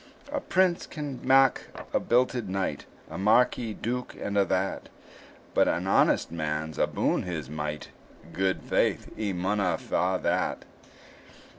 A prince can mak a belted knight, A marquis, duke, and a' that; But an honest man's aboon his might, Guid faith, he maunna fa' that!